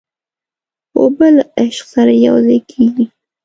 اوبه له عشق سره یوځای کېږي.